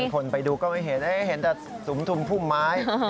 คนไปดูก็ไม่เห็นเห็นแต่สุมทุมพุ่มไม้